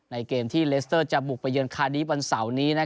เกมที่เลสเตอร์จะบุกไปเยือนคาดีฟวันเสาร์นี้